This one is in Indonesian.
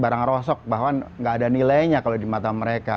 barang rosok bahwa nggak ada nilainya kalau di mata mereka